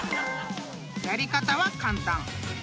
［やり方は簡単］